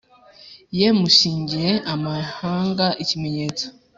Ye Mushingire amahanga ikimenyetso